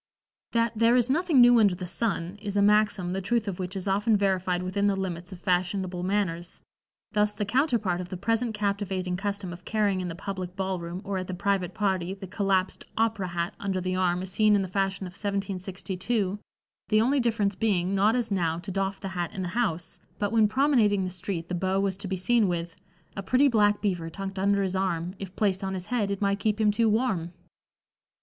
That "there is nothing new under the sun" is a maxim the truth of which is often verified within the limits of fashionable manners; thus the counterpart of the present captivating custom of carrying in the public ball room or at the private party the collapsed "opera" hat under the arm is seen in the fashion of 1762, the only difference being, not as now, to doff the hat in the house, but when promenading the street the beau was to be seen with "A pretty black beaver tucked under his arm, If placed on his head it might keep him too warm."